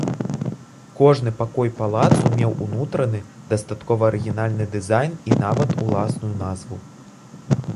Кожны пакой палацу меў унутраны, дастаткова арыгінальны дызайн і нават уласную назву.